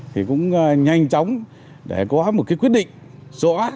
thì cũng nhanh chóng để có một cái quyết định rõ